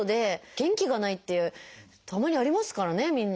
元気がないってたまにありますからねみんな。